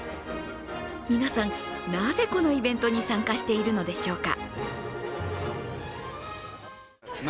皆さん、なぜこのイベントに参加しているのでしょうか。